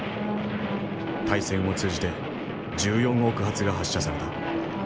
大戦を通じて１４億発が発射された。